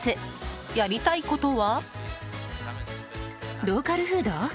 やりたいことは？